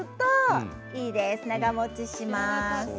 長もちします。